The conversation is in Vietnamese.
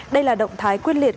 đây là động thái quyết liệt